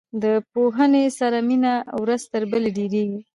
د پوهنې سره مینه ورځ تر بلې ډیریږي.